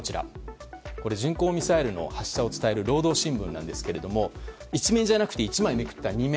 巡航ミサイルの発射を伝える労働新聞ですが１面じゃなくて１枚めくった２面。